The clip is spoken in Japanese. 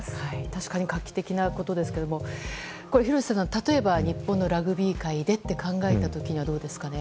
確かに画期的なことですが廣瀬さん、例えば日本のラグビー界でと考えたらどうですかね。